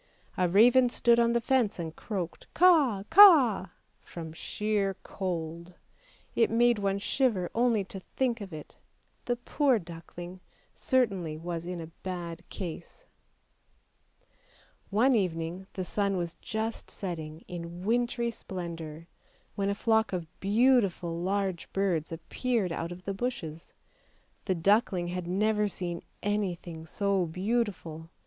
A raven stood on the fence and croaked Caw! caw! from sheer cold; it made one shiver only to think of it, the poor duckling certainly was in a bad case. 390 ANDERSEN'S FAIRY TALES One evening, the sun was just setting in wintry splendour, when a flock of beautiful large birds appeared out of the bushes ; the duckling had never seen anything so beautiful.